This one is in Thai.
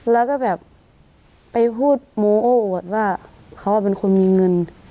แล้วก็แบบไปพูดโมโอ้อวดว่าเขาเป็นคนมีเงิน